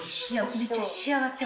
めっちゃ。